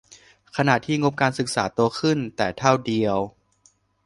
ขณะที่งบการศึกษาโตขึ้นแต่เท่าเดียว